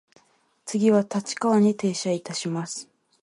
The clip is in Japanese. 次は立川に停車いたします。